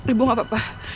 ibu gak apa apa